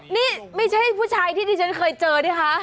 นี่ไม่ใช่ผู้ชายที่ดิฉันเคยเจอรึยังคะ